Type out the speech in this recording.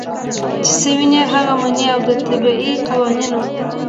چې څۀ ويني هغه مني او د طبعي قوانینو